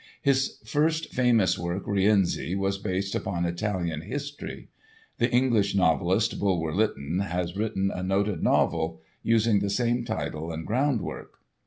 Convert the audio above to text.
His first famous work, "Rienzi" was based upon Italian history. The English novelist, Bulwer Lytton, has written a noted novel, using the same title and groundwork.